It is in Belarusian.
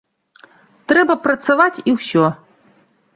Трэба працаваць і ўсё!